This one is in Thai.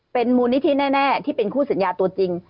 เป็นมูลนิธิแน่ที่เป็นคู่สัญญาตัวจริง